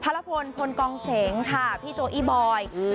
ท่ามกลางพี่น้องชาวโคราชที่มาร่วมงานกันจนแน่นขนาดเราไปชมภาพบรรยากาศกันหน่อยค่ะ